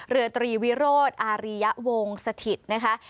เรือตรีวิโรธอาริยะวงสถิตนะคะ